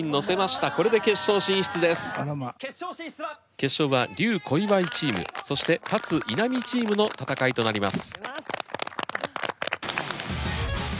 決勝は笠・小祝チームそして勝・稲見チームの戦いとなります。